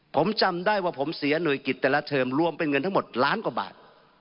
ผมจำได้ว่าผมเสียหน่วยกิจแต่ละเทอมรวมเป็นเงินทั้งหมดล้านกว่าบาท